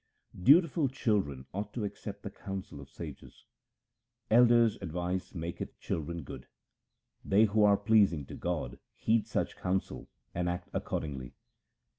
Dutiful children ought to accept the counsel of sages :— Elders' 1 advice maketh children good : They who are pleasing to God heed such counsel and act accordingly.